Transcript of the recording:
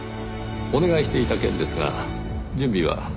お願いしていた件ですが準備はできましたか？